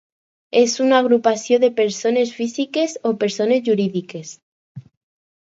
És una agrupació de persones físiques o persones jurídiques.